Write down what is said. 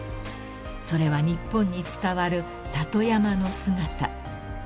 ［それは日本に伝わる里山の姿］